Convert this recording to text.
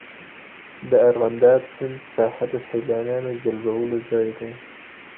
د ارغنداب سیند ساحه د سیلانیانو جلبولو ځای دی.